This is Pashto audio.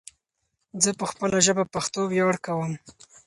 ځه په خپله پشتو ژبه ویاړ کوم